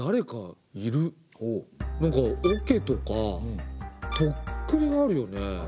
なんかおけとかとっくりがあるよね。